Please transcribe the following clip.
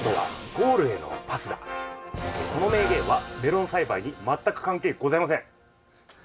この名言はメロン栽培に全く関係ございません。